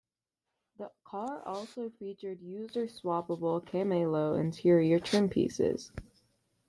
The car also featured user swappable "Cameleo" interior trim pieces.